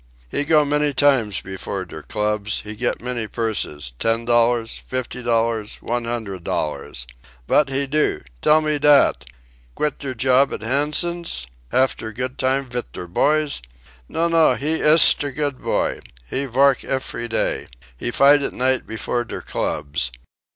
"He go many times before der clubs; he get many purses ten dollar, fifty dollar, one hundred dollar. Vat he do? Tell me dat! Quit der job at Hansen's? Haf der good time vit der boys? No, no; he iss der good boy. He vork efery day. He fight at night before der clubs.